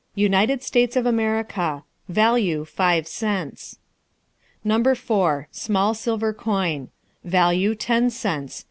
United States of America. Value five cents. No. 4. Small silver coin. Value ten cents.